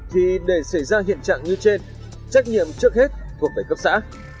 thì để xảy ra hiện trạng như trên trách nhiệm trước hết của bảy cấp xã